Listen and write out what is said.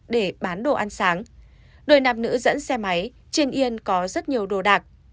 cho ăn sáng đôi nàm nữ dẫn xe máy trên yên có rất nhiều đồ đạc